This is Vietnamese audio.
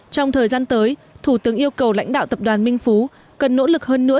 trong thời gian tới thủ tướng yêu cầu lãnh đạo tập đoàn minh phú cần nỗ lực hơn nữa